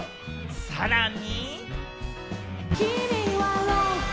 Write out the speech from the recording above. さらに。